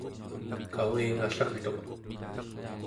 kavingallagtuq